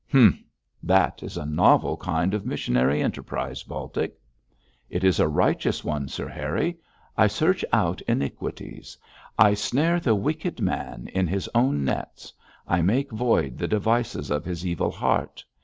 'Humph! that is a novel kind of missionary enterprise, Baltic.' 'It is a righteous one, Sir Harry. I search out iniquities; I snare the wicked man in his own nets; I make void the devices of his evil heart.